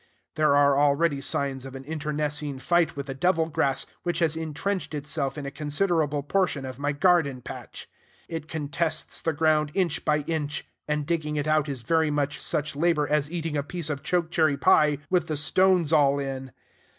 There are already signs of an internecine fight with the devil grass, which has intrenched itself in a considerable portion of my garden patch. It contests the ground inch by inch; and digging it out is very much such labor as eating a piece of choke cherry pie with the stones all in.